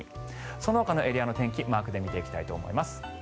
そのほかのエリアの天気マークで見ていきたいと思います。